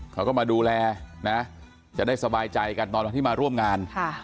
เขาก็มาดูแลนะจะได้สบายใจกันตอนวันที่มาร่วมงาน